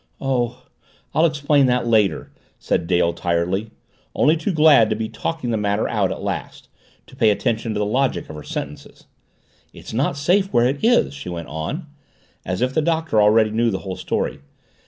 "Oh, I'll explain that later," said Dale tiredly, only too glad to be talking the matter out at last, to pay attention to the logic of her sentences. "It's not safe where it is," she went on, as if the Doctor already knew the whole story.